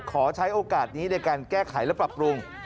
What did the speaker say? ใช้โอกาสนี้ในการแก้ไขและปรับปรุง